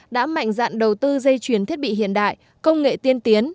đã mạnh dạng đầu tư dây chuyển thiết bị hiện đại công nghệ tiên tiến